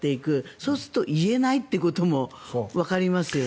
そうすると言えないということもわかりますよね